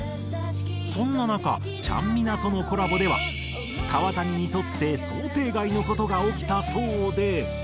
そんな中ちゃんみなとのコラボでは川谷にとって想定外の事が起きたそうで。